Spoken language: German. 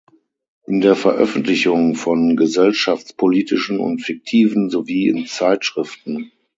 In der Veröffentlichung von gesellschaftspolitischen und fiktiven sowie in Zeitschriften.